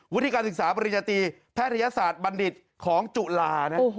วิธีการศึกษาปริญญาตรีแพทยศาสตร์บัณฑิตของจุฬานะ